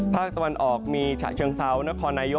ภาคตะวันออกมีฉะเชิงเซานครนายก